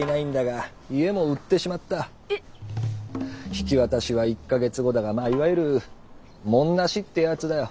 引き渡しは１か月後だがまあいわゆるモン無しってヤツだよ。